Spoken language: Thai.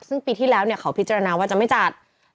ซึ่งปีที่แล้วเขาพิจารณาว่าจะไม่จัด